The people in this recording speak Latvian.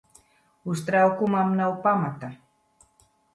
Uztraukumam nav pamata.